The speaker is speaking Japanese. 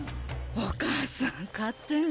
お母さん勝手に。